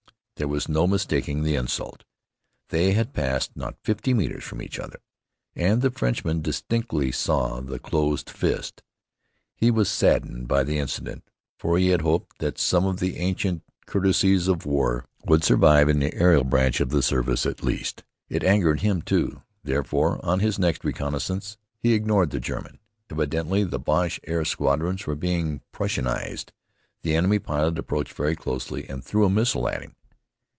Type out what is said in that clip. There was no mistaking the insult. They had passed not fifty metres from each other, and the Frenchman distinctly saw the closed fist. He was saddened by the incident, for he had hoped that some of the ancient courtesies of war would survive in the aerial branch of the service, at least. It angered him too; therefore, on his next reconnaissance, he ignored the German. Evidently the Boche air squadrons were being Prussianized. The enemy pilot approached very closely and threw a missile at him.